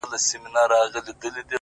په يوه جـادو دي زمـــوږ زړونه خپل كړي;